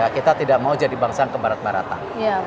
kita tidak mau jadi bangsa yang ke barat baratan